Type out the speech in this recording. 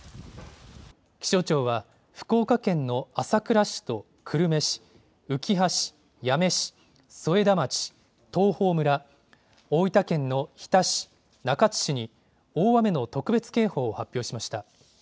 気象庁は、福岡県の朝倉市と久留米市、うきは市、八女市、添田町、東峰村、大分県の日田市、中津市に大雨の特別警報を発表しました。